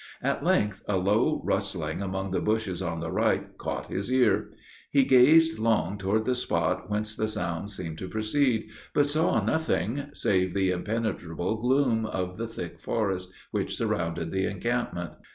At length, a low rustling among the bushes on the right, caught his ear. He gazed long toward the spot whence the sound seemed to proceed; but saw nothing, save the impenetrable gloom of the thick forest which surrounded the encampment.